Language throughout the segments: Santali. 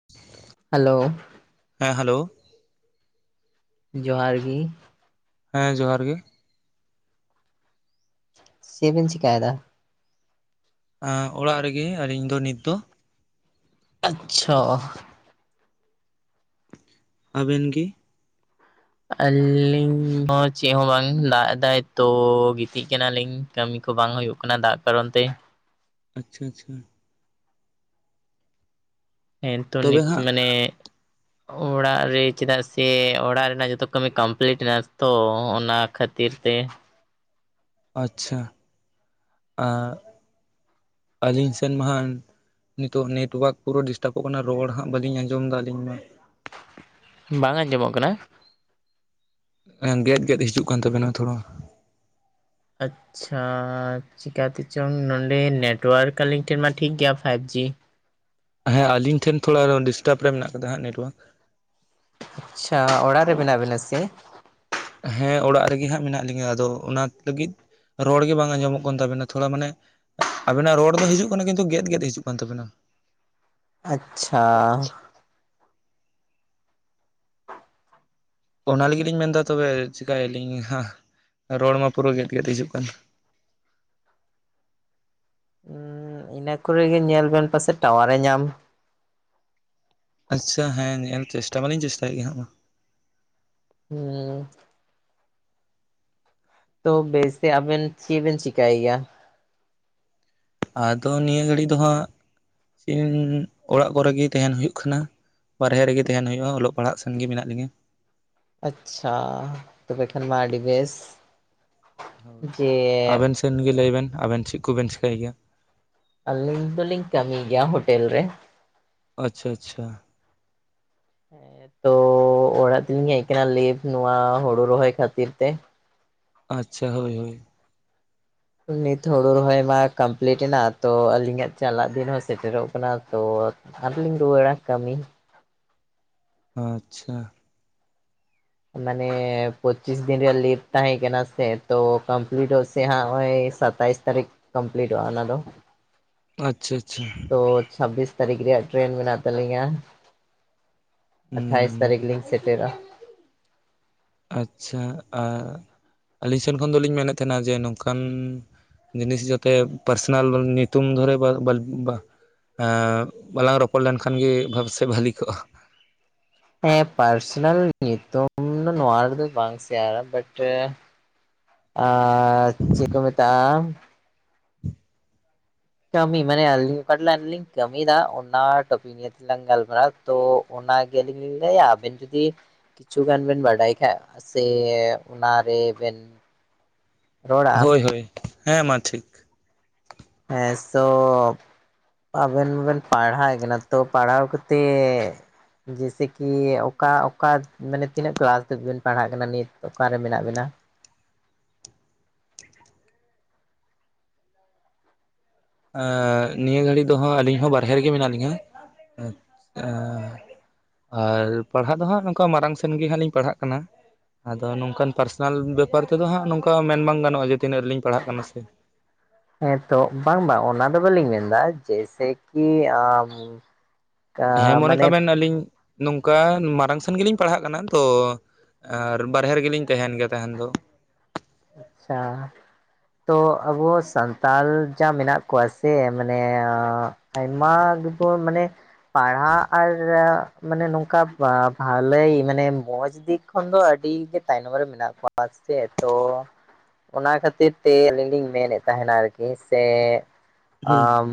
[inaudible] ᱦᱮᱞᱳ ᱦᱮᱸ ᱦᱮᱞᱳ᱾ ᱡᱚᱦᱟᱨ ᱜᱤ, ᱦᱮᱸ ᱡᱚᱦᱟᱨ ᱜᱮ, ᱪᱮᱜ ᱵᱤᱱ ᱪᱤᱠᱟᱭᱮᱫᱟ? ᱚᱲᱟᱜ ᱨᱮᱜᱮ ᱟᱨ ᱤᱧ ᱫᱚ ᱱᱤᱛ ᱫᱚ, ᱟᱪᱪᱷᱟ ᱚ ᱟᱵᱤᱱ ᱜᱤ, ᱟᱹᱞᱤᱧ ᱦᱚᱸ ᱪᱮᱜ ᱦᱚᱸ ᱵᱟᱝ ᱞᱟᱜ ᱮᱫᱟᱭ ᱛᱚ ᱜᱤᱛᱤᱡ ᱠᱟᱱᱟᱞᱤᱧ, ᱠᱟᱹᱢᱤ ᱠᱚ ᱵᱟᱝ ᱦᱩᱭᱩᱜ ᱠᱟᱱᱟ ᱫᱟᱜ ᱠᱟᱨᱟᱱ ᱛᱮ, ᱟᱪᱪᱷᱟ ᱟᱪᱪᱷᱟ, ᱦᱮᱸ ᱱᱤᱛᱚ ᱛᱚᱵᱮ ᱱᱤᱛ ᱦᱟᱸᱜ ᱢᱟᱱᱮ, ᱚᱲᱟᱜ ᱨᱮ ᱪᱮᱫᱟᱜ ᱥᱮ ᱚᱲᱟᱜ ᱨᱮᱱᱟᱜ ᱡᱚᱛᱚ ᱠᱟᱹᱢᱤ ᱠᱚᱢᱯᱞᱤᱴ ᱮᱱᱟ ᱛᱚ, ᱚᱱᱟ ᱠᱷᱟᱹᱛ ᱛᱤᱨ ᱛᱮ ᱾ ᱟᱪᱪᱷᱟ, ᱟᱸ ᱟᱹᱞᱤᱧ ᱥᱮᱱ ᱢᱟᱦᱟᱜ ᱱᱤᱛᱚᱜ ᱱᱮᱴᱳᱣᱟᱨᱠ ᱯᱩᱨᱟᱹ ᱰᱤᱥᱴᱟᱵᱚᱜ ᱠᱟᱱᱟ ᱨᱚᱲ ᱦᱟᱸᱜ ᱵᱟᱹᱞᱤᱧ ᱟᱸᱡᱚᱢ ᱮᱫᱟ ᱟᱹᱞᱤᱧ ᱢᱟ, ᱵᱟᱝ ᱟᱸᱡᱚᱢᱚᱜ ᱠᱟᱱᱟ? ᱜᱮᱫ ᱜᱮᱫ ᱦᱤᱡᱩᱜ ᱠᱟᱱ ᱛᱟᱵᱤᱱᱟ ᱛᱷᱚᱲᱟ ᱾ ᱟᱪᱪᱷᱟ, ᱪᱤᱠᱟᱛᱮ ᱪᱚᱝ ᱱᱚᱰᱮ ᱱᱮᱴᱣᱟᱨᱠ ᱟᱞᱤᱧ ᱴᱷᱮᱱ ᱢᱟ ᱴᱷᱤᱠ ᱜᱮᱭᱟ ᱯᱷᱟᱭᱤᱵᱽ ᱡᱤ, ᱦᱮᱸ, ᱟᱞᱤᱧ ᱴᱷᱮᱱ ᱛᱷᱚᱲᱟ ᱰᱤᱥᱴᱟᱵᱽ ᱨᱮ ᱢᱮᱱᱟᱜ ᱟᱠᱟᱫᱟ ᱦᱟᱸᱜ ᱱᱮᱴᱳᱣᱟᱨᱠ, ᱟᱪᱪᱷᱟ ᱚᱲᱟᱜ ᱨᱮ ᱢᱮᱱᱟᱜ ᱵᱤᱱᱟ ᱥᱮ? ᱦᱮᱸ ᱚᱲᱟᱜ ᱨᱮᱜᱮ ᱦᱟᱸᱜ ᱢᱮᱱᱟᱜ ᱞᱤᱧᱟ, ᱟᱫᱚ ᱚᱱᱟ ᱞᱟᱹᱜᱤᱫ ᱨᱚᱲ ᱜᱮ ᱵᱟᱝ ᱟᱸᱡᱚᱢᱚᱜ ᱠᱟᱱ ᱛᱟᱵᱮᱱᱟ ᱛᱷᱚᱲᱟ ᱢᱟᱱᱮ ᱟᱵᱤᱱᱟᱜ ᱨᱚᱲ ᱫᱚ ᱦᱤᱡᱩᱜ ᱠᱟᱱᱟ ᱠᱤᱱᱛᱩ ᱜᱮᱫ ᱜᱮᱫ ᱦᱤᱡᱩᱜ ᱠᱟᱱ ᱛᱟᱵᱤᱱᱟ ᱾ ᱟᱪᱪᱷᱟ, ᱚᱱᱟ ᱞᱟᱹᱜᱤᱫ ᱞᱤᱧ ᱢᱮᱱᱫᱟ ᱛᱚᱵᱮ ᱪᱮᱠᱟᱭᱟ ᱞᱤᱧ ᱦᱟᱸ, ᱨᱚᱲ ᱢᱟ ᱯᱩᱨᱟᱹ ᱜᱮᱫ ᱜᱮᱫ ᱦᱤᱡᱩᱜ ᱠᱟᱱ, ᱤᱱᱟᱹ ᱠᱚᱨᱮᱜᱮ ᱧᱮᱞ ᱵᱮᱱ ᱯᱟᱥᱮ ᱴᱟᱣᱟᱨᱮ ᱧᱟᱢ, ᱟᱪᱪᱷᱟ ᱦᱮᱸ ᱧᱮᱞ ᱪᱮᱥᱴᱟ ᱢᱟᱞᱤᱧ ᱪᱮᱥᱴᱟᱭᱮᱜ ᱜᱮ ᱦᱟᱸᱜ ᱢᱟ, ᱦᱩᱸ, ᱛᱚ ᱵᱮᱥᱛᱮ ᱟᱵᱮᱱ ᱪᱮᱫ ᱵᱮᱱ ᱪᱤᱠᱟᱭ ᱜᱮᱭᱟ? ᱟᱫᱚ ᱱᱤᱭᱟᱹ ᱜᱷᱟᱹᱲᱤ ᱫᱚ ᱦᱟᱸᱜ ᱚᱲᱟᱜ ᱠᱚᱨᱮ ᱜᱮ ᱛᱟᱦᱮᱱ ᱦᱩᱭᱩᱜ ᱠᱟᱱᱟ᱾ ᱵᱟᱨᱦᱮ ᱨᱮᱜᱮ ᱛᱟᱦᱮᱱ ᱦᱩᱭᱩᱜᱼᱟ ᱚᱞᱚᱜ ᱯᱟᱲᱦᱟᱜ ᱥᱮᱱ ᱜᱮ ᱢᱮᱱᱟᱜ ᱞᱤᱧᱟ ᱾ ᱟᱪᱪᱷᱟ ᱛᱚᱵᱮ ᱠᱷᱟᱱ ᱢᱟ ᱟᱹᱰᱤ ᱵᱮᱥ ᱾ ᱦᱳᱭ, ᱟᱵᱮᱱ ᱥᱮᱱ ᱜᱮ ᱞᱟᱹᱭ ᱵᱮᱱ ᱟᱵᱮᱱ ᱪᱮᱫ ᱠᱚᱵᱮᱱ ᱪᱮᱠᱟᱹᱭ ᱜᱮᱭᱟ? ᱟᱹᱞᱤᱧ ᱫᱚᱞᱤᱧ ᱠᱟᱹᱢᱤ ᱜᱮᱭᱟ ᱦᱳᱴᱮᱞ ᱨᱮ ᱾ ᱟᱪᱪᱷᱟ ᱟᱪᱪᱷᱟ ᱾ ᱦᱮᱸ ᱛᱚ ᱚᱲᱟᱜ ᱛᱤᱧ ᱦᱮᱡ ᱠᱟᱱᱟ [inaudible] ᱱᱚᱶᱟ ᱦᱩᱲᱩ ᱨᱚᱦᱚᱭ ᱠᱷᱟᱹᱛᱤᱨ ᱛᱮ ᱾ ᱟᱪᱪᱷᱟ ᱦᱳᱭ ᱦᱳᱭ ᱾ ᱱᱤᱛ ᱦᱩᱲᱩ ᱨᱚᱦᱚᱭ ᱢᱟ ᱠᱚᱢᱯᱤᱞᱤᱴ ᱮᱱᱟ, ᱛᱚ ᱟᱹᱞᱤᱧᱟᱜ ᱪᱟᱞᱟᱜ ᱫᱤᱱ ᱦᱚᱸ ᱥᱮᱴᱮᱨᱚᱜ ᱠᱟᱱᱟ, ᱛᱚ ᱟᱫᱩᱧ ᱨᱩᱣᱟᱹᱲᱟ ᱠᱟᱹᱢᱤ ᱾ ᱟᱪᱪᱷᱟ ᱾ ᱢᱟᱱᱮ ᱯᱚᱪᱤᱥ ᱫᱤᱱ ᱨᱮᱭᱟᱜ ᱞᱤᱵᱷ ᱛᱟᱦᱮᱸ ᱠᱟᱱᱟ ᱥᱮ ᱛᱚ ᱠᱚᱢᱯᱤᱞᱤᱴ ᱛᱚᱜ ᱥᱮ ᱦᱟᱸᱜ ᱱᱚᱜᱭ ᱥᱟ ᱛᱟᱭᱤᱥ ᱛᱟᱨᱤᱠ ᱠᱚᱢᱯᱤᱞᱤᱴᱜ-ᱟ ᱚᱱᱟ ᱫᱚ ᱾ ᱟᱪᱪᱷᱟ ᱟᱪᱪᱷᱟ ᱾ ᱛᱚ ᱪᱷᱟᱵᱵᱤᱥ ᱛᱟᱹᱨᱤᱠᱷ ᱨᱮᱭᱟᱜ ᱴᱮᱨᱮᱱ ᱢᱮᱱᱟᱜ ᱛᱟᱹᱞᱤᱧᱟ ᱾ ᱟᱴᱟᱭᱤᱥ ᱦᱩᱸ ᱛᱟᱹᱨᱤᱠᱷ ᱞᱤᱧ ᱥᱮᱴᱨᱚᱜ ᱟᱪᱪᱷᱟ, ᱟᱨ ᱟᱹᱞᱤᱧ ᱥᱮᱱ ᱠᱷᱚᱱ ᱫᱚᱞᱤᱧ ᱢᱮᱱᱮᱫ ᱛᱟᱦᱮᱱᱟ ᱡᱮ ᱱᱚᱝᱠᱟᱱ ᱡᱤᱱᱤᱥ ᱡᱚᱛᱮ ᱯᱟᱨᱥᱚᱱᱟᱞ ᱧᱩᱛᱩᱢ ᱫᱷᱚᱨᱮ ᱵᱟᱨ ᱵᱟᱨ ᱵᱟ ᱟᱸ ᱵᱟᱞᱟᱝ ᱨᱚᱯᱚᱲ ᱞᱮᱱᱠᱷᱟᱱ ᱜᱮ ᱵᱟᱝ ᱥᱮ ᱵᱷᱟᱞᱤ ᱠᱚᱜᱼᱟ᱾ ᱦᱮᱸ ᱯᱟᱨᱥᱚᱱᱟᱞ ᱧᱩᱛᱩᱢ ᱱᱚᱣᱟ ᱨᱮᱫᱚ ᱵᱟᱝ ᱥᱮᱟᱨ [inaudible] ᱟᱨ ᱪᱮᱫ ᱠᱚ ᱢᱮᱛᱟᱜᱼᱟ ᱠᱟᱹᱢᱤ ᱢᱟᱱᱮ ᱟᱹᱞᱤᱧ ᱚᱠᱟᱴ ᱞᱟᱭᱤᱱ ᱨᱮ ᱞᱤᱧ ᱠᱟᱹᱢᱤ ᱫᱟ ᱚᱱᱟ ᱴᱚᱯᱤᱠ ᱱᱤᱭᱟᱹ ᱛᱮᱞᱟᱝ ᱜᱟᱞᱢᱟᱨᱟᱣᱼᱟ ᱛᱚ ᱚᱱᱟ ᱜᱮ ᱟᱹᱞᱤᱧ ᱞᱤᱧ ᱞᱟᱹᱭᱟ ᱟᱵᱮᱱ ᱡᱩᱫᱤ ᱠᱤᱪᱷᱩ ᱜᱟᱱ ᱵᱮᱱ ᱵᱟᱰᱟᱭ ᱠᱷᱟᱡ ᱥᱮ ᱚᱱᱟ ᱨᱮᱵᱮᱱ ᱦᱳᱭ ᱦᱳᱭ ᱦᱮᱸ ᱢᱟ ᱴᱷᱤᱠ᱾ [inaudible] ᱟᱵᱮᱱ ᱢᱟ ᱵᱮᱱ ᱯᱟᱲᱦᱟᱣ ᱟᱠᱟᱱᱟ ᱛᱚ ᱯᱟᱲᱦᱟᱣ ᱠᱟᱛᱮᱫ ᱡᱭᱮᱥᱮ ᱠᱤ ᱚᱠᱟ ᱚᱠᱟ ᱢᱟᱱᱮ ᱛᱤᱱᱟᱹᱜ ᱠᱮᱞᱟᱥ ᱫᱷᱟᱹᱵᱤᱡ ᱵᱤᱱ ᱯᱟᱲᱦᱟᱜ ᱠᱟᱱᱟ ᱱᱤᱛ ᱚᱠᱟᱨᱮ ᱢᱮᱱᱟᱜ ᱵᱤᱱᱟ? ᱮᱻᱱᱤᱭᱟᱹ ᱜᱷᱟᱹᱲᱤ ᱫᱚ ᱦᱟᱜ ᱟᱹᱞᱤᱧ ᱦᱚᱸ ᱵᱟᱦᱨᱮ ᱨᱮᱜᱮ ᱢᱮᱱᱟᱜ ᱞᱤᱧᱟ᱾ ᱟᱨ ᱯᱟᱲᱦᱟᱜ ᱫᱚ ᱦᱟᱸᱜ ᱱᱚᱝᱠᱟ ᱢᱟᱨᱟᱝ ᱥᱮᱱ ᱜᱮ ᱦᱟᱸᱜ ᱞᱤᱧ ᱯᱟᱲᱦᱟᱜ ᱠᱟᱱᱟ᱾ ᱟᱫᱚ ᱱᱚᱝᱠᱟᱱ ᱯᱟᱨᱥᱚᱱᱟᱞ ᱵᱮᱯᱟᱨ ᱛᱮᱫᱚ ᱦᱟᱸᱜ ᱱᱚᱝᱠᱟ ᱢᱮᱱ ᱵᱟᱝ ᱜᱟᱱᱚᱜᱼᱟ ᱡᱮ ᱛᱤᱱᱟᱹᱜ ᱨᱮᱞᱤᱧ ᱯᱟᱲᱦᱟᱜ ᱠᱟᱱᱟ ᱥᱮ᱾ ᱦᱮᱸᱛᱚ ᱵᱟᱝ ᱵᱟᱝ ᱚᱱᱟ ᱫᱚ ᱵᱟᱹᱞᱤᱧ ᱢᱮᱱᱫᱟ ᱡᱮᱥᱮᱠᱤ ᱦᱮᱸ ᱢᱚᱱᱮ ᱠᱟᱜᱵᱤᱱ ᱟᱹᱞᱤᱧ ᱱᱚᱝᱠᱟ ᱢᱟᱲᱟᱝ ᱥᱮᱱ ᱜᱮᱞᱤᱧ ᱯᱟᱲᱦᱟᱜ ᱠᱟᱱᱟ ᱛᱚ ᱟᱨ ᱵᱟᱨᱦᱮ ᱨᱮᱜᱮᱞᱤᱧ ᱛᱟᱦᱮᱱ ᱜᱮᱭᱟ ᱛᱟᱦᱮᱱ ᱫᱚ᱾ ᱟᱪᱪᱷᱟ ᱾ ᱛᱚ ᱟᱵᱚ ᱥᱟᱱᱛᱟᱲ ᱡᱟ ᱢᱮᱱᱟᱜ ᱠᱚᱣᱟ ᱥᱮ ᱢᱟᱱᱮ ᱟᱭᱢᱟ ᱜᱮᱵᱚ ᱢᱟᱱᱮ ᱯᱟᱲᱦᱟᱜ ᱟᱨ ᱢᱟᱱᱮ ᱱᱚᱝᱠᱟ ᱵᱷᱟᱞᱮᱭ ᱢᱟᱱᱮ ᱢᱚᱸᱡᱽ ᱫᱤᱠ ᱠᱷᱚᱱ ᱫᱚ ᱟᱹᱰᱤ ᱜᱮ ᱛᱟᱭᱱᱚᱢ ᱨᱮ ᱢᱮᱱᱟᱜ ᱠᱚᱣᱟ ᱥᱮ ᱪᱮᱫ ᱾ ᱛᱚ ᱚᱱᱟ ᱠᱷᱟᱹᱛᱤᱨ ᱛᱮ ᱟᱹᱞᱤᱧ ᱞᱤᱧ ᱢᱮᱱ ᱮᱫ ᱛᱟᱦᱮᱱᱟ ᱟᱨᱠᱤ ᱥᱮ ᱦᱩᱸ ᱟᱡᱻ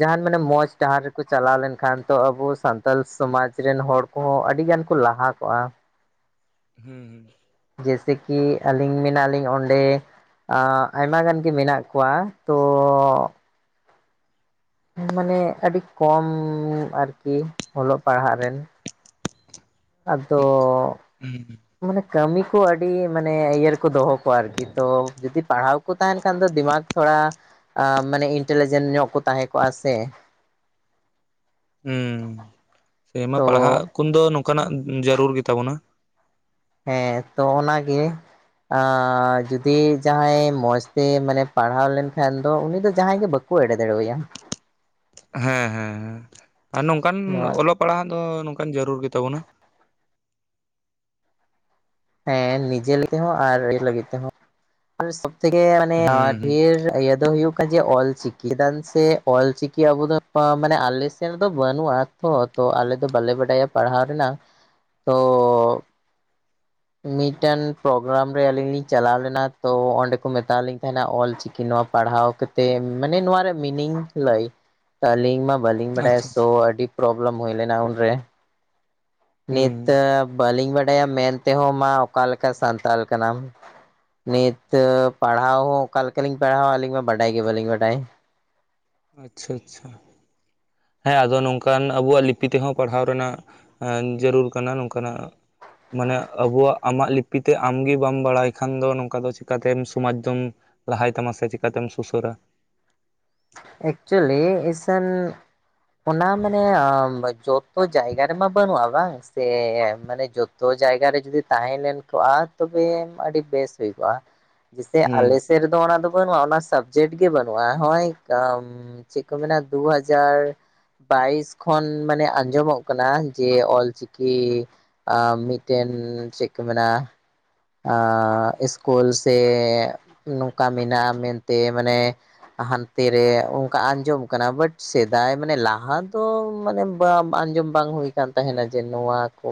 ᱡᱟᱦᱟᱱ ᱢᱟᱱᱮ ᱢᱚᱡᱽ ᱰᱟᱦᱟᱨ ᱨᱮᱠᱚ ᱪᱟᱞᱟᱣ ᱞᱮᱱᱠᱷᱟᱱ ᱛᱚ ᱟᱵᱚ ᱥᱟᱱᱛᱟᱞ ᱥᱚᱢᱟᱡ ᱨᱮᱱ ᱦᱚᱲ ᱠᱚᱦᱚᱸ ᱟᱹᱰᱤ ᱜᱟᱱ ᱠᱚ ᱞᱟᱦᱟ ᱠᱚᱜᱼᱟ᱾ ᱦᱩᱸ ᱦᱩᱸ ᱾ ᱡᱮᱥᱮ ᱠᱤ ᱟᱹᱞᱤᱧ ᱢᱮᱱᱟᱜᱞᱤᱧ ᱚᱸᱰᱮ ᱟ ᱟᱭᱢᱟ ᱜᱟᱱ ᱜᱮ ᱢᱮᱱᱟᱜ ᱠᱚᱣᱟ ᱛᱚ ᱢᱟᱱᱮ ᱟᱹᱰᱤ ᱠᱚᱢ ᱟᱨᱠᱤ ᱚᱞᱚᱜ ᱯᱟᱲᱦᱟᱜ ᱨᱮᱱ ᱟᱫᱚ ᱦᱩᱸ ᱢᱟᱱᱮ ᱠᱟᱹᱢᱤ ᱠᱚ ᱟᱹᱰᱤ ᱢᱟᱱᱮ ᱤᱭᱟᱹ ᱨᱮᱠᱚ ᱫᱚᱦᱚ ᱠᱚᱣᱟ ᱟᱨᱠᱤ ᱛᱚ ᱡᱩᱫᱤ ᱯᱟᱲᱦᱟᱣ ᱠᱚ ᱛᱟᱦᱮᱸᱱ ᱠᱷᱟᱱ ᱫᱚ ᱫᱤᱢᱟᱠ ᱛᱷᱚᱲᱟ ᱟ ᱢᱟᱱᱮ ᱤᱱᱴᱮᱞᱤᱡᱮᱱ ᱧᱚᱜ ᱠᱚ ᱛᱟᱦᱮᱸ ᱠᱚᱜᱼᱟ ᱥᱮ᱾ ᱦᱩᱸ ᱥᱮ ᱢᱟ ᱛᱚ ᱯᱟᱲᱦᱟᱜ ᱠᱩᱱ ᱫᱚ ᱱᱚᱝᱠᱟᱱᱟᱜ ᱡᱟᱨᱩᱲ ᱜᱮᱛᱟᱵᱚᱱᱟ᱾ ᱦᱮᱸ ᱛᱚ ᱚᱱᱟᱜᱮ᱾ ᱟ ᱡᱩᱫᱤ ᱡᱟᱦᱟᱸᱭ ᱢᱚᱸᱡᱽ ᱛᱮ ᱢᱟᱱᱮ ᱯᱟᱲᱦᱟᱣ ᱞᱮᱱᱠᱷᱟᱱ ᱫᱚ ᱩᱱᱤ ᱫᱚ ᱡᱟᱦᱟᱸᱭ ᱜᱮ ᱵᱟ ᱠᱚ ᱮᱲᱮ ᱫᱟᱲᱮ ᱮᱭᱟ᱾ ᱦᱮᱸ ᱦᱮᱸ ᱦᱮᱸ ᱟᱨ ᱱᱚᱝᱠᱟᱱ ᱱᱚᱣᱟ ᱚᱞᱚᱜ ᱯᱟᱲᱦᱟᱜ ᱫᱚ ᱱᱚᱝᱠᱟᱱ ᱡᱟᱹᱨᱩᱲ ᱜᱮᱛᱟᱵᱚᱱᱟ᱾ ᱦᱮᱸ ᱱᱤᱡᱮ ᱞᱟᱹᱜᱤᱫ ᱦᱚᱸ ᱟᱨ ᱤᱭᱟᱹ ᱞᱟᱹᱜᱤᱫ ᱛᱮᱦᱚᱸ᱾ ᱟᱨ ᱥᱚᱵ ᱛᱷᱮᱠᱮ ᱢᱟᱱᱮ ᱦᱩᱸ ᱦᱩᱸ ᱰᱷᱮᱨ ᱤᱭᱟᱹ ᱫᱚ ᱦᱩᱭᱩᱜ ᱠᱟᱱᱟ ᱡᱮ ᱚᱞ ᱪᱤᱠᱤ ᱪᱮᱫᱟᱱ ᱥᱮᱜ ᱚᱞᱪᱤᱠᱤ ᱟᱵᱚ ᱫᱚ ᱢᱟᱱᱮ ᱟᱞᱮ ᱥᱮᱱ ᱫᱚ ᱵᱟᱹᱱᱩᱜᱼᱟ ᱛᱷᱚ ᱛᱚ ᱟᱞᱮ ᱫᱚ ᱵᱟᱞᱮ ᱵᱟᱰᱟᱭᱟ ᱯᱟᱲᱦᱟᱣ ᱨᱮᱱᱟᱝ ᱛᱚᱻ ᱢᱤᱫᱴᱮᱱ ᱯᱨᱳᱜᱨᱟᱢ ᱨᱮ ᱟᱹᱞᱤᱧ ᱞᱤᱧ ᱪᱟᱞᱟᱣ ᱞᱮᱱᱟ ᱛᱚ ᱚᱸᱰᱮ ᱠᱚ ᱢᱮᱛᱟᱣ ᱞᱤᱧ ᱛᱟᱦᱮᱸᱱᱟ ᱚᱞᱪᱤᱠᱤ ᱱᱚᱣᱟ ᱯᱟᱲᱦᱟᱣ ᱠᱟᱛᱮ ᱢᱟᱱᱮ ᱱᱚᱣᱟ ᱨᱮᱭᱟᱜ ᱢᱤᱱᱤᱝ ᱞᱟᱹᱭ᱾ ᱟᱹᱞᱤᱧ ᱢᱟ ᱵᱟᱹᱞᱤᱧ ᱵᱟᱰᱟᱭᱟ ᱟᱪᱪᱷᱟ ᱥᱳ ᱟᱪᱪᱷᱟ ᱟᱹᱰᱤ ᱯᱨᱚᱵᱽᱞᱮᱢ ᱦᱩᱭ ᱞᱮᱱᱟ ᱩᱱᱨᱮ᱾ ᱱᱤᱛ ᱦᱩᱸ ᱵᱟᱹᱞᱤᱧ ᱵᱟᱰᱟᱭᱟ ᱢᱮᱱ ᱛᱮᱦᱚᱸ ᱢᱟ ᱚᱠᱟᱞᱮᱠᱟᱱ ᱥᱟᱱᱛᱟᱞ ᱠᱟᱱᱟᱢ, ᱱᱤᱛ ᱯᱟᱲᱦᱟᱣ ᱦᱚᱸ ᱚᱠᱟ ᱞᱮᱠᱟᱞᱤᱧ ᱯᱟᱲᱦᱟᱣᱟ ᱟᱹᱞᱤᱧ ᱢᱟ ᱵᱟᱰᱟᱭ ᱜᱮ ᱵᱟᱞᱤᱧ ᱵᱟᱰᱟᱭ᱾ ᱟᱪᱪᱷᱟ ᱟᱪᱪᱷᱟ᱾ ᱦᱮᱸ ᱟᱫᱚ ᱱᱚᱝᱠᱟᱱ ᱟᱵᱚᱣᱟᱜ ᱞᱤᱯᱤ ᱛᱮᱦᱚᱸ ᱯᱟᱲᱦᱟᱣ ᱨᱮᱱᱟᱜ ᱡᱟᱹᱨᱩᱲ ᱠᱟᱱᱟ ᱱᱚᱝᱠᱟᱱᱟᱜ ᱢᱟᱱᱮ ᱟᱵᱚᱣᱟᱜ ᱟᱢᱟᱜ ᱞᱤᱯᱤᱛᱮ ᱟᱢᱜᱮ ᱵᱟᱢ ᱵᱟᱲᱟᱭ ᱠᱷᱟᱱ ᱫᱚ ᱱᱚᱝᱠᱟ ᱫᱚ ᱪᱮᱯᱠᱟᱛᱮᱢ ᱥᱚᱢᱟᱡᱽ ᱫᱚᱢ ᱞᱟᱦᱟᱭ ᱛᱟᱢᱟ ᱥᱮ ᱪᱤᱠᱟᱛᱮᱢ ᱥᱩᱥᱟᱹᱨᱟ? ᱮᱠᱪᱩᱭᱮᱞᱤ ᱮᱥᱟᱱ ᱚᱱᱟ ᱢᱟᱱᱮ ᱡᱚᱛᱚ ᱡᱟᱭᱜᱟ ᱨᱮᱢᱟ ᱵᱟᱹᱱᱩᱜᱼᱟ ᱵᱟᱝ ᱥᱮ ᱢᱟᱱᱮ ᱡᱚ ᱛᱚ ᱡᱟᱭᱜᱟ ᱨᱮ ᱡᱩᱫᱤ ᱛᱟᱦᱮᱸ ᱞᱮᱱ ᱠᱚᱜᱼᱟ ᱛᱚᱵᱮ ᱟᱹᱰᱤ ᱵᱮᱥ ᱦᱩᱭ ᱠᱚᱜᱼᱟ᱾ ᱡᱮᱥᱮ ᱦᱩᱸ ᱟᱞᱮᱥᱮᱫ ᱨᱮᱫᱚ ᱚᱱᱟ ᱫᱚ ᱵᱟᱹᱱᱩᱜᱼᱟ ᱚᱱᱟ ᱥᱟᱵᱽᱡᱮᱠᱴ ᱜᱮ ᱵᱟᱹᱱᱩᱜᱼᱟ, ᱦᱚᱸᱜᱼᱚᱭ ᱠᱟᱢ ᱪᱮᱫ ᱠᱚ ᱢᱮᱱᱟ ᱫᱩ ᱦᱟᱡᱟᱨ ᱵᱟᱭᱤᱥ ᱠᱷᱚᱱ ᱢᱟᱱᱮ ᱟᱸᱡᱚᱢᱚᱜ ᱠᱟᱱᱟ ᱡᱮ ᱚᱞᱪᱤᱠᱤ ᱟ ᱢᱤᱫᱴᱟᱝ ᱪᱮᱫ ᱠᱚ ᱢᱮᱱᱟ ᱟ ᱤᱥᱠᱩᱞ ᱥᱮ ᱱᱚᱝᱠᱟ ᱢᱮᱱᱟᱜᱼᱟ ᱢᱮᱱᱛᱮ ᱢᱟᱱᱮ ᱦᱟᱸᱱᱛᱮ ᱨᱮ ᱚᱱᱠᱟ ᱟᱸᱡᱚᱢ ᱠᱟᱱᱟ ᱵᱟᱴ ᱥᱮᱫᱟᱭ ᱢᱟᱱᱮ ᱞᱟᱦᱟ ᱫᱚ ᱢᱟᱱᱮ [unintelligible] ᱟᱸᱡᱚᱢ ᱵᱟᱝ ᱦᱩᱭ ᱠᱟᱱ ᱛᱟᱦᱮᱸᱱᱟ ᱡᱮ ᱱᱚᱣᱟ ᱠᱚ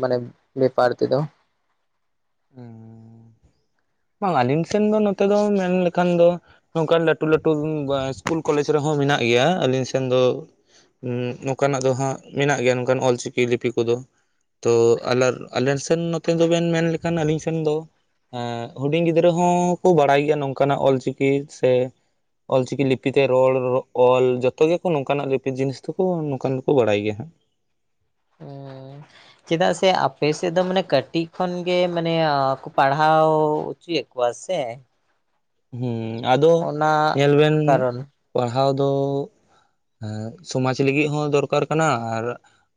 ᱢᱟᱱᱮ ᱵᱮᱯᱟᱨ ᱛᱮᱫᱚ᱾ ᱦᱩᱸ᱾ ᱵᱟᱝ ᱟᱞᱤᱧ ᱥᱮᱱ ᱫᱚ ᱱᱚᱛᱮ ᱫᱚ ᱢᱮᱱ ᱞᱮᱠᱷᱟᱱ ᱫᱚ ᱱᱚᱝᱠᱟᱱ ᱞᱟᱹᱴᱩ ᱞᱟᱹᱴᱩ ᱤᱥᱠᱩᱞ ᱠᱚᱞᱮᱡᱽ ᱨᱮᱦᱚᱸ ᱢᱮᱱᱟᱜ ᱜᱮᱭᱟ ᱟᱹᱞᱤᱧ ᱥᱮᱱ ᱫᱚ ᱩᱸ ᱱᱚᱝᱠᱟᱱᱟᱜ ᱫᱚ ᱦᱟᱸᱜ ᱢᱮᱱᱟᱜ ᱜᱮᱭᱟ ᱱᱚᱝᱠᱟᱱ ᱚᱞᱪᱤᱠᱤ ᱞᱤᱯᱤ ᱠᱚᱫᱚ᱾ ᱛᱚ ᱟᱞᱟᱞ ᱟᱞᱮᱱ ᱥᱮᱱ ᱱᱚᱛᱮ ᱫᱚᱵᱱ ᱢᱮᱱ ᱞᱮᱠᱷᱟᱱ ᱟᱞᱤᱧ ᱥᱮᱱ ᱫᱚ ᱮᱸᱜ ᱦᱩᱰᱤᱧ ᱜᱤᱫᱽᱨᱟᱹ ᱦᱚᱸᱠᱚ ᱵᱟᱲᱟᱭ ᱜᱮᱭᱟ ᱱᱚᱝᱠᱟᱱᱟᱜ ᱚᱞ ᱪᱤᱠᱤ ᱥᱮ ᱚᱞᱪᱤᱠᱤ ᱞᱤᱯᱤ ᱛᱮ ᱨᱚᱲ ᱚᱞ ᱡᱚᱛᱚ ᱜᱮᱠᱚ ᱱᱚᱝᱠᱟᱱᱟᱜ ᱞᱤᱯᱤ ᱡᱤᱱᱤᱥ ᱫᱚᱠᱚ ᱱᱚᱝᱠᱟᱱ ᱫᱚᱠᱚ ᱵᱟᱲᱟᱭ ᱜᱮᱭᱟ ᱦᱟᱸᱜ᱾ ᱦᱩᱸ᱾ ᱪᱮᱫᱟᱜ ᱥᱮ ᱟᱯᱮ ᱥᱮᱫ ᱫᱚ ᱢᱟᱱᱮ ᱠᱟᱹᱴᱤᱡ ᱠᱷᱚᱱ ᱜᱮ ᱢᱟᱱᱮ ᱯᱟᱲᱦᱟᱣ ᱪᱚᱭᱮᱜ ᱠᱚᱣᱟ ᱥᱮ? ᱦᱩᱸ ᱟᱫᱚ ᱚᱱᱟ ᱧᱮᱞ ᱵᱮᱱ ᱠᱟᱨᱚᱱ ᱯᱟᱲᱦᱟᱣ ᱫᱚ ᱦᱮ ᱥᱚᱢᱟᱡᱽ ᱞᱟᱹᱜᱤᱫ ᱦᱚᱸ ᱫᱚᱨᱠᱟᱨ ᱠᱟᱱᱟ ᱟᱨ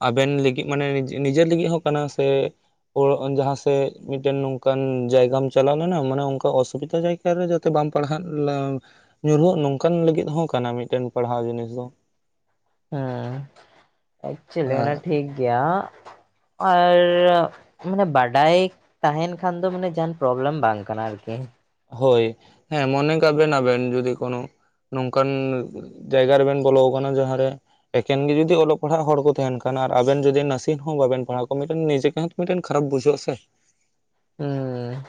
ᱟᱵᱮᱱ ᱞᱟᱹᱜᱤᱫ ᱢᱟᱱᱮ ᱱᱤᱡᱮᱨ ᱞᱟᱹᱜᱤᱫ ᱦᱚᱸ ᱠᱟᱱᱟ ᱥᱮ᱾ ᱡᱟᱦᱟᱸᱥᱮᱫ ᱢᱤᱫᱴᱮᱱ ᱱᱚᱝᱠᱟᱱ ᱡᱟᱭᱜᱟᱢ ᱪᱟᱞᱟᱣ ᱞᱮᱱᱟ ᱢᱟᱱᱮ ᱚᱱᱠᱟ ᱚᱥᱩᱵᱤᱫᱟ ᱡᱟᱭ ᱨᱮ ᱡᱟᱛᱮ ᱵᱟᱢ ᱯᱟᱲᱦᱟᱜ ᱞᱟ ᱧᱩᱨᱦᱩᱜ ᱱᱚᱝᱠᱟᱱ ᱞᱟᱹᱜᱤᱫ ᱦᱚᱸ ᱠᱟᱱᱟ ᱢᱤᱫᱴᱮᱱ ᱯᱟᱲᱦᱟᱣ ᱡᱤᱱᱤᱥ ᱫᱚ᱾ ᱦᱮᱸ ᱮᱠᱪᱮᱞᱤ ᱚᱱᱟ ᱴᱷᱤᱠ ᱜᱮᱭᱟ ᱟᱨ ᱢᱟᱱᱮ ᱵᱟᱰᱟᱭ ᱛᱟᱦᱮᱱ ᱠᱷᱟᱱ ᱫᱚ ᱢᱟᱱᱮ ᱡᱟᱦᱟᱱ ᱯᱨᱚᱵᱽᱞᱮᱢ ᱵᱟᱝ ᱠᱟᱱᱟ ᱟᱨᱠᱤ᱾ ᱦᱳᱭ ᱦᱮᱸ ᱢᱚᱱᱮ ᱠᱟᱜ ᱵᱮᱱ ᱟᱵᱮᱱ ᱡᱩᱫᱤ ᱠᱚᱱᱳ ᱱᱚᱝᱠᱟᱱ ᱡᱟᱭᱜᱟ ᱨᱮᱵᱮᱱ ᱵᱚᱞᱚ ᱟᱠᱟᱱᱟ ᱡᱟᱦᱟᱸᱨᱮ ᱮᱠᱷᱮᱱ ᱜᱮ ᱡᱩᱫᱤ ᱚᱞᱚᱜ ᱯᱟᱲᱦᱟᱜ ᱦᱚᱲ ᱠᱚ ᱛᱟᱦᱮᱱ ᱠᱷᱟᱱ ᱟᱨ ᱟᱵᱮᱱ ᱡᱩᱫᱤ ᱱᱟᱥᱮ ᱦᱚᱸ ᱵᱟᱵᱮᱱ ᱯᱟᱲᱦᱟᱣ ᱠᱚᱣᱟ ᱢᱤᱫᱴᱮᱱ ᱱᱤᱡᱮ ᱛᱮᱸᱦᱚ ᱛᱚ ᱢᱤᱫᱴᱟᱱ ᱠᱷᱟᱨᱟᱯ ᱵᱩᱡᱷᱜᱼᱟ ᱥᱮ᱾ ᱦᱩᱸ᱾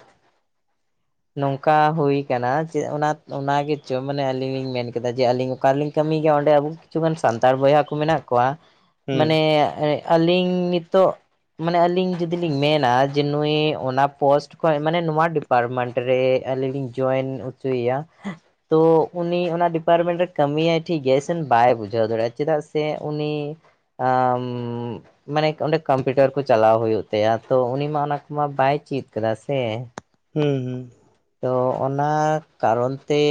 ᱱᱚᱝᱠᱟ ᱦᱩᱭ ᱠᱟᱱᱟ ᱪᱮᱫ ᱚᱱᱟ ᱚᱱᱟᱜᱪᱚ ᱢᱟᱱᱮ ᱟᱹᱞᱤᱧ ᱞᱤᱧ ᱠᱮᱫᱟ ᱡᱮ ᱟᱹᱞᱤᱧ ᱚᱠᱟᱨᱤᱞᱤᱧ ᱠᱟᱹᱢᱤ ᱜᱮᱭᱟ ᱚᱸᱰᱮ ᱟᱵᱚ ᱠᱤᱪᱷᱟᱱ ᱥᱟᱱᱛᱟᱲ ᱵᱚᱭᱦᱟ ᱠᱚ ᱢᱮᱱᱟᱜ ᱠᱚᱣᱟ ᱢᱟᱱᱮ ᱦᱩᱸ ᱟᱹᱞᱤᱧ ᱱᱤᱛᱚᱜ ᱢᱟᱱᱮ ᱟᱞᱤᱧ ᱡᱩᱫᱤ ᱞᱤᱧ ᱢᱮᱱᱟ ᱡᱮ ᱱᱩᱭ ᱚᱱᱟ ᱯᱳᱥᱴ ᱠᱷᱚᱡ ᱢᱟᱱᱮ ᱱᱚᱣᱟ ᱰᱤᱯᱟᱨᱢᱮᱱᱴ᱾ ᱨᱮ ᱟᱹᱞᱤᱧ ᱞᱤᱧ ᱡᱚᱭᱮᱱ ᱦᱚᱪᱚᱭᱮᱭᱟ᱾ ᱛᱚ ᱩᱱᱤ ᱚᱱᱟ ᱰᱤᱯᱟᱨᱢᱮᱱᱴ ᱨᱮ ᱠᱟᱹᱢᱤᱭᱟᱭ ᱴᱷᱤᱠ ᱜᱮᱭᱟ ᱥᱮᱱ ᱵᱟᱭ ᱵᱩᱡᱷᱟᱹᱣ ᱫᱟᱲᱮᱭᱟᱜᱼᱟ ᱪᱮᱫᱟᱜ ᱥᱮ ᱩᱱᱤ ᱟᱢᱻ ᱢᱟᱱᱮ ᱚᱸᱰᱮ ᱠᱚᱢᱯᱤᱭᱩᱴᱟᱨ ᱠᱚ ᱪᱟᱞᱟᱣ ᱦᱩᱭᱩᱜ ᱛᱟᱭᱟ ᱛᱚ ᱩᱱᱤ ᱢᱟ ᱚᱱᱟ ᱠᱚᱢᱟ ᱵᱟᱭ ᱪᱮᱫ ᱠᱟᱫᱟ ᱥᱮ᱾ ᱦᱩᱸ ᱦᱩᱸ᱾ ᱛᱚ ᱚᱱᱟ ᱠᱟᱨᱚᱱ ᱛᱮ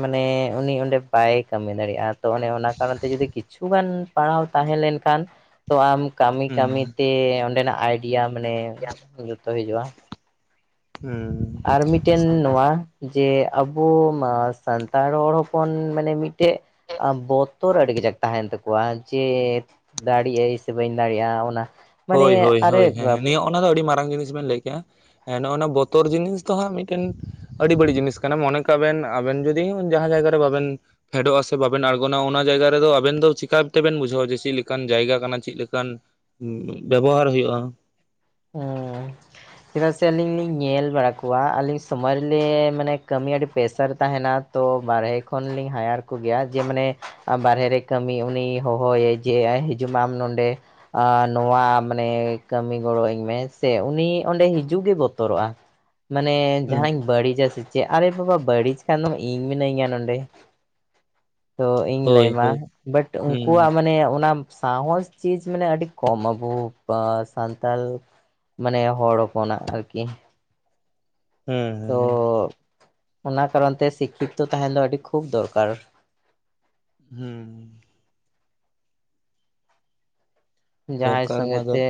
ᱢᱟᱱᱮ ᱩᱱᱤ ᱚᱸᱰᱮ ᱵᱟᱭ ᱠᱟᱹᱢᱤ ᱫᱟᱲᱮᱭᱟᱜᱼᱟ᱾᱾ ᱛᱚ ᱚᱱᱮ ᱚᱱᱟ ᱠᱟᱨᱚᱱ ᱛᱮ ᱡᱩᱫᱤ ᱠᱤᱪᱷᱩᱩᱜᱟᱱ ᱯᱟᱲᱦᱟᱣ ᱛᱟᱦᱮᱸ ᱞᱮᱱᱠᱷᱟᱱ ᱛᱚ ᱟᱢ ᱠᱟᱹᱢᱤ ᱦᱩᱸ ᱠᱟᱹᱢᱤᱛᱮ ᱚᱸᱰᱮᱱᱟᱜ ᱟᱭᱰᱤᱭᱟ ᱢᱟᱱᱮ ᱡᱚᱛᱚ ᱦᱤᱡᱩᱜᱼᱟ᱾ ᱦᱩᱸ᱾ ᱟᱨ ᱢᱤᱫᱴᱮᱱ ᱦᱩᱸ ᱱᱚᱣᱟ ᱡᱮ ᱟᱵᱚ ᱢᱟ ᱥᱟᱱᱛᱟᱲ ᱦᱚᱲ ᱦᱚᱯᱚᱱ ᱢᱟᱱᱮ ᱢᱤᱫᱴᱮᱡ ᱵᱚᱛᱚᱨ ᱟᱹᱰᱤ ᱠᱟᱡᱟᱠ ᱛᱟᱦᱮᱱ ᱛᱟᱠᱚᱣᱟ, ᱡᱮ ᱫᱟᱲᱮᱭᱟᱜᱼ ᱟᱹᱧ ᱥᱮ ᱵᱟᱹᱧ ᱫᱟᱲᱮᱭᱟᱜᱼᱟ ᱚᱱᱟ᱾ ᱢᱟᱱᱮ ᱦᱳᱭ ᱦᱳᱭ ᱟᱨᱮ ᱦᱳᱭ ᱦᱮᱸ ᱱᱤᱭᱟᱹ ᱚᱱᱟ ᱫᱚ ᱟᱹᱰᱤ ᱢᱟᱨᱟᱝ ᱡᱤᱱᱤᱥ ᱵᱮᱱ ᱞᱟᱹᱭ ᱱᱚᱸᱜᱼᱚᱭ ᱱᱚᱣᱟ ᱵᱚᱛᱚᱨ ᱡᱤᱱᱤᱥ ᱫᱚ ᱦᱟᱸᱜ ᱢᱤᱫᱴᱮᱱ ᱟᱹᱰᱤ ᱵᱟᱹᱲᱤᱡ ᱡᱤᱱᱤᱥ ᱠᱟᱱᱟ, ᱢᱚᱱᱮ ᱠᱟᱜ ᱵᱮᱱ ᱟᱵᱮᱱ ᱡᱩᱫᱤ ᱡᱟᱦᱟᱸ ᱡᱟᱭᱜᱟᱨ ᱨᱮ ᱵᱟᱵᱮᱱ ᱯᱷᱮᱰᱚᱜᱼᱟ ᱥᱮ ᱵᱟᱵᱮᱱ ᱟᱬᱜᱚᱱᱟ, ᱚᱱᱟ ᱡᱟᱭᱜᱟ ᱨᱮᱫᱚ ᱟᱵᱮᱱ ᱫᱚ ᱪᱤᱠᱟ ᱛᱮᱵᱮᱱ ᱵᱩᱡᱷᱟᱹᱣᱟ ᱡᱮ ᱪᱮᱫ ᱞᱮᱠᱟᱱ ᱡᱟᱭᱜᱟ ᱠᱟᱱᱟ ᱪᱮᱫ ᱞᱮᱠᱟᱱ ᱵᱮᱵᱚᱦᱟᱨ ᱦᱩᱭᱩᱜᱼᱟ᱾ ᱦᱮᱸ᱾ ᱪᱮᱫᱟᱜ ᱥᱮ ᱟᱹᱞᱤᱧ ᱞᱤᱧ ᱧᱮᱞ ᱵᱟᱲᱟ ᱠᱚᱣᱟ ᱟᱹᱞᱤᱧ ᱥᱚᱢᱚᱭ ᱨᱮ ᱢᱟᱱᱮ ᱠᱟᱹᱢᱤ ᱟᱹᱰᱤ ᱯᱮᱥᱟᱨ ᱛᱟᱦᱮᱱᱟ᱾ ᱛᱚ ᱵᱟᱨᱦᱮ ᱠᱷᱚᱱᱞᱤᱧ ᱦᱟᱭᱟᱨ ᱠᱚ ᱜᱮᱭᱟᱢ, ᱡᱮ ᱢᱟᱱᱮ ᱵᱟᱨᱦᱮ ᱨᱮ ᱠᱟᱹᱢᱤ ᱩᱱᱤ ᱦᱚᱦᱚᱣᱟᱹᱭᱟᱧ᱾ ᱡᱮ ᱦᱤᱡᱩᱜ ᱢᱮ ᱢᱮ ᱱᱚᱰᱮ ᱱᱚᱣᱟ ᱢᱟᱱᱮ ᱠᱟᱹᱢᱤ ᱜᱚᱲᱚ ᱟᱹᱧ ᱢᱮ ᱥᱮ ᱩᱱᱤ ᱚᱸᱰᱮ ᱦᱤᱡᱩᱜ ᱜᱮ ᱵᱚᱛᱚᱨᱚᱜᱼᱟ ᱢᱟᱱᱮ ᱦᱩᱸ ᱡᱟᱦᱟᱱᱟᱜ ᱤᱧ ᱵᱟᱹᱲᱤᱡᱟ ᱥᱮ ᱪᱮᱫ ᱟᱨᱮ ᱵᱟᱵᱟ ᱵᱟᱹᱲᱤᱡ ᱠᱷᱟᱱ ᱫᱚᱢ ᱤᱧ ᱢᱤᱱᱟᱹᱧᱟ ᱱᱚᱰᱮ᱾ ᱛᱚ ᱤᱧ ᱞᱟᱹᱭ ᱦᱳᱭ ᱟᱢᱟ ᱦᱳᱭ ᱵᱟᱴ ᱦᱩᱸ ᱩᱱᱠᱩᱣᱟᱜ ᱢᱟᱱᱮ ᱚᱱᱟ ᱥᱟᱦᱚᱥ ᱪᱤᱡᱽ ᱢᱟᱱᱮ ᱟᱹᱰᱤ ᱠᱚᱢ ᱟᱵᱚ ᱥᱟᱱ ᱛᱟᱞ ᱢᱟᱱᱮ ᱦᱚᱲ ᱦᱚᱯᱚᱱᱟᱜ ᱟᱨᱠᱤ᱾ ᱛᱚ ᱦᱩᱸ ᱦᱩᱸ᱾ ᱚᱱᱟ ᱠᱟᱨᱚᱱ ᱛᱮ ᱥᱤᱠᱠᱷᱤᱛᱚ ᱛᱟᱦᱮᱱ ᱫᱚ ᱟᱹᱰᱤ ᱠᱷᱩᱵ ᱫᱚᱨᱠᱟᱨ᱾ ᱦᱩᱸ᱾ ᱡᱟᱦᱟᱸᱭ ᱫᱚᱨᱠᱟᱨ ᱥᱚᱸᱜᱮ ᱢᱟ ᱫᱚ ᱛᱮ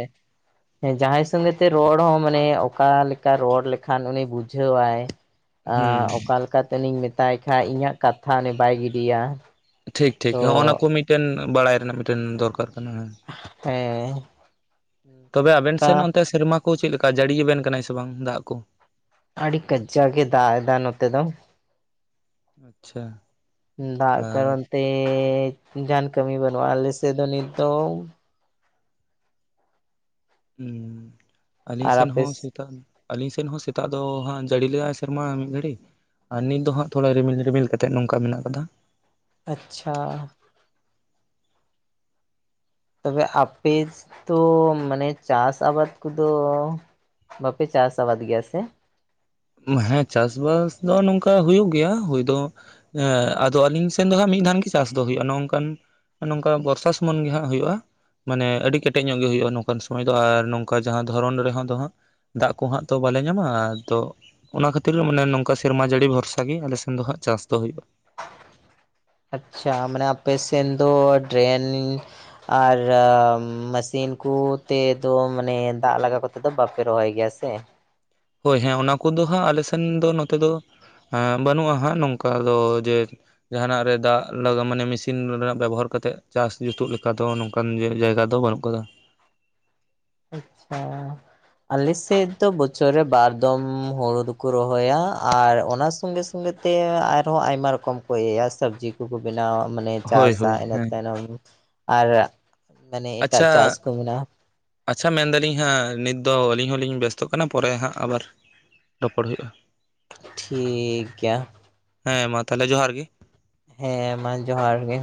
ᱦᱮᱸ ᱡᱟᱦᱟᱸᱭ ᱥᱚᱸᱜᱮᱛᱮ ᱨᱚᱲ ᱦᱚᱸ ᱢᱟᱱᱮ ᱚᱠᱟ ᱞᱮᱠᱟ ᱨᱚᱲ ᱞᱮᱠᱷᱟᱱ ᱩᱱᱤ ᱵᱩᱡᱷᱟᱹᱣᱟᱭ᱾ ᱟᱻ ᱦᱩᱸ ᱚᱠᱟ ᱞᱮᱠᱟᱛᱮᱞᱤᱧ ᱢᱮᱛᱟᱭ ᱠᱷᱟᱡ ᱤᱧᱟᱹᱜ ᱠᱟᱛᱷᱟ ᱩᱱᱤ ᱵᱟᱭ ᱜᱤᱰᱤᱭᱟ᱾ ᱴᱷᱤᱠ ᱴᱷᱤᱠ ᱛᱚ ᱦᱚᱜ-ᱚ ᱱᱟᱠᱚ ᱢᱤᱫᱴᱮᱱ ᱵᱟᱲᱟᱭ ᱨᱮᱱᱟᱜ ᱢᱤᱫᱴᱮᱱ ᱫᱚᱨᱠᱟᱨ ᱠᱟᱱᱟ ᱦᱮᱸ᱾ ᱦᱮᱸᱻ᱾ ᱛᱚᱵᱮ ᱟᱵᱮᱱ ᱥᱮᱫ ᱚᱱᱛᱮ ᱥᱮᱨᱢᱟ ᱠᱚ ᱪᱮᱫ ᱞᱮᱠᱟ, ᱡᱟᱹᱲᱤ ᱟᱵᱮᱱ ᱠᱟᱱᱟᱭ ᱥᱮ ᱵᱟᱝ ᱫᱟᱜ ᱠᱚ? ᱟᱹᱰᱤ ᱠᱟᱡᱟᱠ ᱮ ᱫᱟᱜ ᱮᱫᱟ ᱱᱚᱛᱮ ᱫᱚ᱾ ᱟᱪᱪᱷᱟ᱾ ᱫᱟᱜ ᱟᱨ ᱠᱟᱨᱚᱱ ᱛᱮᱻ ᱡᱟᱦᱟᱱ ᱠᱟᱹᱢᱤ ᱵᱟᱹᱱᱩᱼᱟ ᱟᱞᱮᱥᱮ ᱫᱚ ᱱᱤᱛ ᱫᱚ᱾ ᱦᱩ ᱟᱹᱞᱤᱧ ᱟᱨ ᱥᱮᱱ ᱟᱯᱮ ᱦᱚᱸ, ᱥᱮᱛᱟᱜ ᱟᱹᱞᱤᱧ ᱥᱮᱱ ᱦᱚᱸ ᱥᱮᱛᱟᱜ ᱫᱚ ᱦᱟᱜ ᱡᱟᱹᱲᱤ ᱞᱮᱜ-ᱟᱭ ᱥᱮᱨᱢᱟ ᱢᱤᱫ ᱜᱷᱟᱹᱲᱤ᱾ ᱟᱨ ᱱᱤᱛ ᱫᱚ ᱦᱟᱸᱜ ᱛᱷᱚᱲᱟ ᱨᱤᱢᱤᱞ ᱨᱤᱢᱤᱞ ᱠᱟᱛᱮᱜ ᱱᱚᱝᱠᱟ ᱢᱮᱱᱟᱜ ᱟᱠᱟᱫᱟ᱾ ᱟᱪᱪᱷᱟ᱾ ᱛᱚᱵᱮ ᱟᱯᱮ ᱛᱚ ᱢᱟᱱᱮ ᱪᱟᱥ ᱟᱵᱟᱫ ᱠᱚᱫᱚ ᱵᱟᱯᱮ ᱪᱟᱥ ᱟᱵᱟᱫ ᱜᱮᱭᱟ ᱥᱮ? ᱦᱮᱸ ᱪᱟᱥᱵᱟᱥ ᱫᱚ ᱱᱚᱝᱠᱟ ᱦᱩᱭᱩᱜ ᱜᱮᱭᱟ ᱦᱩᱭ ᱫᱚ᱾ ᱦᱮᱸ ᱟᱫᱚ ᱟᱹᱞᱤᱧ ᱥᱮᱱ ᱫᱚ ᱦᱟᱜ ᱢᱤᱫ ᱫᱷᱟᱱ ᱜᱮ ᱪᱟᱥ ᱫᱚ ᱦᱩᱭᱩᱜᱼᱟ᱾ ᱱᱚᱝᱠᱟᱱ ᱱᱚᱝᱠᱟ ᱵᱚᱨᱥᱟ ᱥᱩᱢᱩᱱ ᱜᱮᱦᱟᱜ ᱦᱩᱭᱩᱜᱼᱟ᱾ ᱢᱟᱱᱮ ᱟᱹᱰᱤ ᱠᱮᱴᱮᱡ ᱧᱚᱜ ᱜᱮ ᱦᱩᱭᱩᱜᱼᱟ ᱱᱚᱝᱠᱟᱱ ᱥᱚᱢᱚᱭ ᱫᱚ, ᱟᱨ ᱱᱚᱝᱠᱟ ᱡᱟᱦᱟᱸ ᱫᱷᱚᱨᱚᱱ ᱨᱮᱦᱚᱸ ᱫᱚ ᱦᱟᱸᱜ ᱫᱟᱜ ᱠᱚᱦᱟᱸᱜ ᱛᱚ ᱵᱟᱞᱮ ᱧᱟᱢᱟ ᱫᱚ᱾ ᱚᱱᱟ ᱠᱷᱟᱹᱛᱤᱨ ᱢᱟᱱᱮ ᱱᱚᱝᱠᱟ ᱥᱮᱨᱢᱟ ᱡᱟᱹᱲᱤ ᱵᱷᱚᱨᱥᱟᱜ ᱜᱮ ᱟᱞᱮ ᱥᱮᱱ ᱫᱚ ᱦᱟᱸᱜ ᱪᱟᱥ ᱫᱚ ᱦᱩᱭᱩᱜᱼᱟ᱾ ᱟᱪᱪᱷᱟ᱾ ᱢᱟᱱᱮ ᱟᱯᱮᱥᱮᱱ ᱫᱚ ᱰᱨᱮᱱᱤ ᱟ-ᱨᱟᱢ ᱢᱮᱥᱤᱱ ᱠᱚ ᱛᱮ ᱫᱚ ᱢᱟᱱᱮ ᱫᱟᱜ ᱞᱟᱜᱟᱣ ᱠᱟᱛᱮᱜ ᱫᱚ ᱵᱟᱯᱮ ᱨᱚᱦᱚᱭ ᱜᱮᱭᱟ ᱥᱮ? ᱦᱳᱭ ᱦᱮᱸ ᱚᱱᱟ ᱠᱚᱫᱚ ᱦᱟᱸᱜ ᱟᱞᱮ ᱥᱮᱱ ᱫᱚ ᱱᱚᱛᱮ ᱫᱚ ᱦᱮ ᱵᱟᱹᱱᱩᱜᱼᱟ ᱦᱟᱸᱜ ᱱᱚᱝᱠᱟ ᱫᱚ ᱡᱮ ᱡᱟᱦᱟᱱᱟᱜ ᱨᱮ ᱫᱟᱜ ᱞᱟᱜᱟ ᱢᱟᱱᱮ ᱢᱮᱥᱤᱱ ᱨᱮᱱᱟᱜ ᱵᱮᱵᱚᱦᱟᱨ ᱠᱟᱛᱮᱫ ᱪᱟᱥ ᱡᱩᱛᱩᱜ ᱞᱮᱠᱟ ᱫᱚ ᱱᱚᱝ ᱠᱟᱱ ᱠᱚ ᱡᱟᱭᱜᱟ ᱫᱚ ᱵᱟᱹᱱᱩᱜ ᱟᱠᱟᱫᱟ᱾ ᱟᱪᱪᱷᱟ᱾ ᱟᱞᱮᱥᱮᱫ ᱫᱚ ᱵᱚᱪᱷᱚᱨ ᱨᱮ ᱵᱟᱨ ᱫᱚᱢ ᱦᱩᱲᱩ ᱫᱚᱠᱚ ᱨᱚᱦᱚᱭᱟ, ᱟᱨ ᱚᱱᱟ ᱥᱚᱸᱜᱮ ᱥᱚᱸᱜᱮ ᱛᱮ ᱟᱨᱦᱚᱸ ᱟᱭᱢᱟ ᱨᱚᱠᱚᱢ ᱠᱚ ᱤᱭᱟᱹᱭᱟ ᱥᱚᱵᱽᱡᱤ ᱠᱩ ᱠᱩ ᱵᱮᱱᱟᱣᱟ ᱢᱟᱱᱮ ᱦᱳᱭ ᱪᱟᱥᱟ ᱦᱳᱭ ᱤᱱᱟᱹ ᱦᱮᱸ ᱛᱟᱭᱱᱚᱢ ᱟᱨ ᱢᱟᱱᱮ ᱮᱴᱟᱜ ᱟᱪᱪᱷᱟ ᱪᱟᱥ ᱠᱚ ᱢᱮᱱᱟᱜ-ᱟ᱾ ᱟᱪᱪᱷᱟ ᱢᱮᱱ ᱫᱟᱞᱤᱧ ᱦᱟᱸᱜ ᱱᱤᱛ ᱫᱚ ᱟᱹᱞᱤᱧ ᱦᱚᱸᱞᱤᱧ ᱵᱮᱥᱛᱚᱜ ᱠᱟᱱᱟ ᱯᱚᱨᱮ ᱦᱟᱸᱜ ᱟᱵᱟᱨ ᱨᱚᱯᱚᱲ ᱦᱩᱭᱩᱜᱼᱟ᱾ ᱴᱷᱤᱠ ᱜᱮᱭᱟ᱾ ᱦᱮᱸ ᱢᱟ ᱛᱟᱦᱚᱞᱮ ᱡᱚᱦᱟᱨ ᱜᱮ᱾ ᱦᱮᱸ ᱢᱟ ᱡᱚᱦᱟᱨ ᱜᱮ᱾